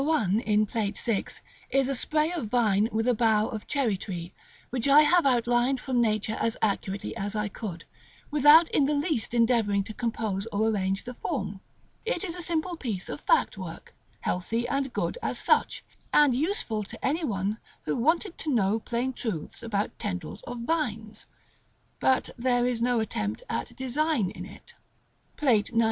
1 in Plate VI. is a spray of vine with a bough of cherry tree, which I have outlined from nature as accurately as I could, without in the least endeavoring to compose or arrange the form. It is a simple piece of fact work, healthy and good as such, and useful to any one who wanted to know plain truths about tendrils of vines, but there is no attempt at design in it. Plate XIX.